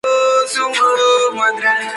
Por ejemplo: 岩, roca; 岫, cueva; 島, isla.